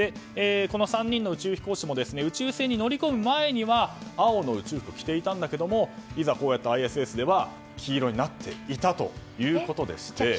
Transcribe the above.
この３人の宇宙飛行士も宇宙船に乗り込む前には青の宇宙服を着ていたけれどいざ、ＩＳＳでは黄色になっていたということでして。